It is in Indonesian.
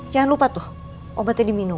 jangan lupa tuh obatnya diminum